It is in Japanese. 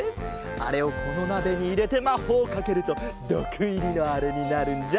あれをこのなべにいれてまほうをかけるとどくいりのあれになるんじゃ。